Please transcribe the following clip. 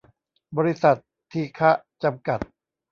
บริษัท ทีฆะ จำกัด